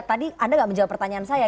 tadi anda nggak menjawab pertanyaan saya